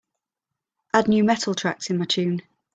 add new metal tracks in my tune